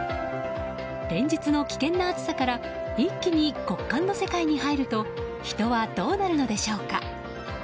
連日の危険な暑さから一気に極寒の世界に入ると人はどうなるのでしょうか。